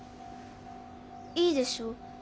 いいでしょ？